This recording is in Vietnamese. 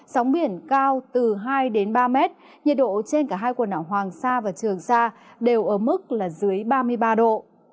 sóng biển cao từ hai đến ba mét nhiệt độ trên cả hai quần đảo hoàng sa và trường sa đều ở mức là dưới ba mươi ba độ